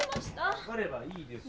わかればいいです。